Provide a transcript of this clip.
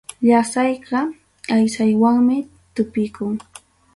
Llasayqa aysanwanmi tupikun.